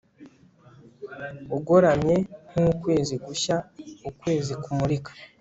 Ugoramye nkukwezi gushya ukwezikumurika